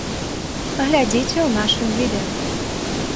Глядзіце ў нашым відэа.